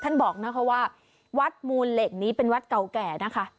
บอกนะคะว่าวัดมูลเหล็กนี้เป็นวัดเก่าแก่นะคะ